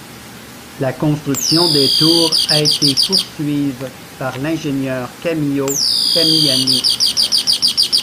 La construction des tours a été poursuive par l'ingénieur Camillo Camilliani.